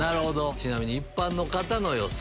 ちなみに一般の方の予想。